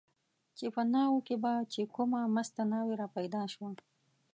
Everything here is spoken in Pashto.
چې په ناوو کې به چې کومه مسته ناوې را پیدا شوه.